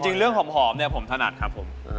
เรื่องหอมเนี่ยผมถนัดครับผม